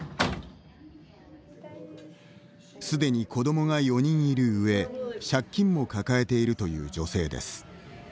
すでに、子どもが４人いる上借金も抱えているという女性です。